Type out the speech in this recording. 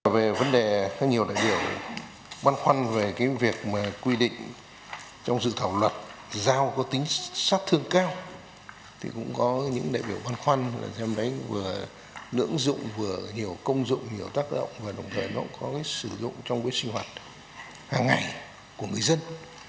về vấn đề có nhiều đại biểu băn khoăn về cái việc mà quy định trong dự thảo luật giao có tính sát thương cao thì cũng có những đại biểu băn khoăn là xem đấy vừa nưỡng dụng vừa nhiều công dụng nhiều tác động và đồng thời nó cũng có cái sử dụng trong cái sinh hoạt hàng ngày của người dân